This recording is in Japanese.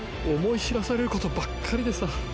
思い知らされることばっかりでさ。